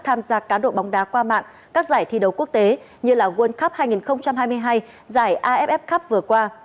tham gia cá độ bóng đá qua mạng các giải thi đấu quốc tế như là world cup hai nghìn hai mươi hai giải aff cup vừa qua